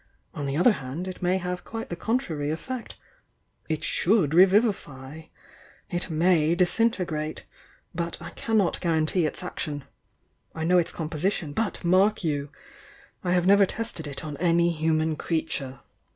On the other hand it may have quite the contrary effect. It should re vivify — it may disintegrate, — but I cannot guarantee its action. I know its com position, but, mark you! — I have never tested it on any human creature.